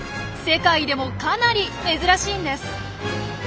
世界でもかなり珍しいんです。